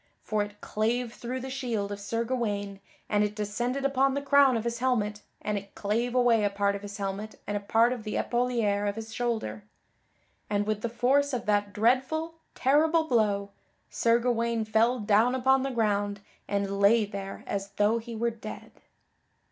For it clave through the shield of Sir Gawaine and it descended upon the crown of his helmet and it clave away a part of his helmet and a part of the epauliere of his shoulder; and with the force of that dreadful, terrible blow, Sir Gawaine fell down upon the ground and lay there as though he were dead.